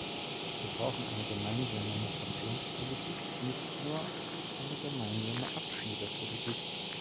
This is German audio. Wir brauchen eine gemeinsame Migrationspolitik, nicht nur eine gemeinsame Abschiebepolitik!